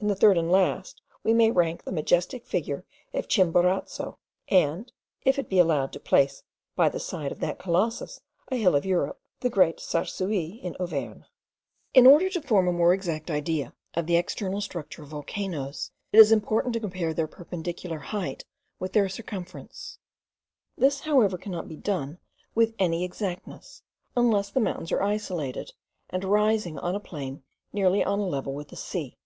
In the third and last we may rank the majestic figure of Chimborazo, and, (if it be allowable to place by the side of that colossus a hill of Europe,) the Great Sarcouy in Auvergne. In order to form a more exact idea of the external structure of volcanoes, it is important to compare their perpendicular height with their circumference. This, however, cannot be done with any exactness, unless the mountains are isolated, and rising on a plain nearly on a level with the sea.